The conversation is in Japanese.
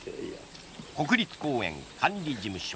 国立公園管理事務所。